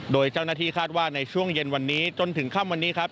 โดยเจ้าหน้าที่คาดว่าในช่วงเย็นวันนี้จนถึงค่ำวันนี้ครับ